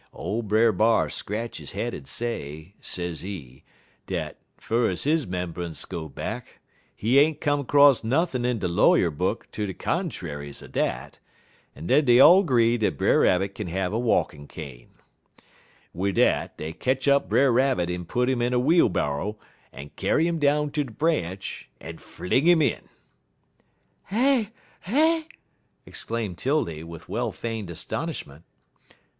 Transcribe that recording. "Ole Brer B'ar scratch his head en say, sezee, dat, fur ez his 'membunce go back, he ain't come 'cross nothin' in de lawyer book ter de contraries er dat, en den dey all 'gree dat Brer Rabbit kin have a walkin' cane. "Wid dat, dey ketch up Brer Rabbit en put 'im in a wheelborrow en kyar 'im down ter de branch, en fling 'im in." "Eh eh!" exclaimed 'Tildy, with well feigned astonishment.